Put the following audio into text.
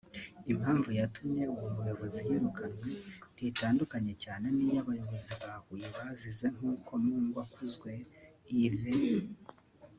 Impamvu yatumye uwo muyobozi yirukanwe ntitandukanye cyane n’iyo abayobozi ba Huye bazize nk’uko Mungwakuzwe Yves